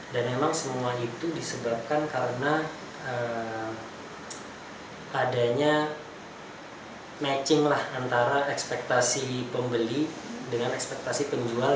dan memang semua itu disebabkan karena adanya matching antara ekspektasi pembeli dengan ekspektasi penjual